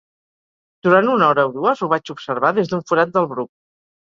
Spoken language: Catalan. Durant una hora o dues, ho vaig observar des d'un forat del bruc.